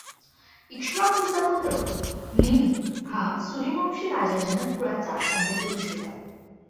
इक्ष्वाकूचा पुत्र निमि हा सूर्यवंशी राजा जनक कुळाचा आद्य पुरुष होता.